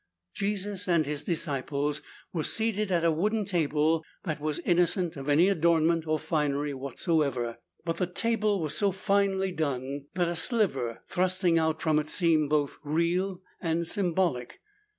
Jesus and His disciples were seated at a wooden table that was innocent of any adornment or finery whatsoever, but the table was so finely done that a sliver thrusting out from it seemed both real and symbolic.